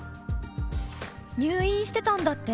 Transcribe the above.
「入院してたんだって？